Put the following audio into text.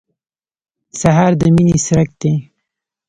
سهار د مینې څرک دی.